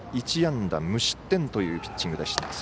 １安打無失点というピッチングでした。